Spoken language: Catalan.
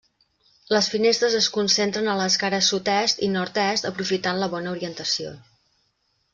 Les finestres es concentren a les cares sud-est i nord-est, aprofitant la bona orientació.